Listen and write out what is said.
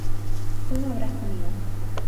tú no habrás comido